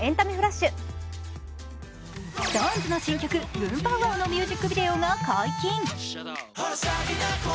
ＳｉｘＴＯＮＥＳの新曲「Ｂｏｏｍ−Ｐｏｗ−Ｗｏｗ！」のミュージックビデオが解禁。